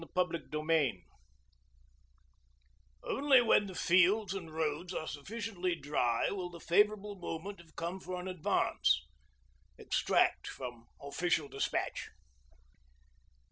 THE PROMISE OF SPRING 'Only when the fields and roads are sufficiently dry will the favourable moment have come for an advance.' EXTRACT FROM OFFICIAL DESPATCH.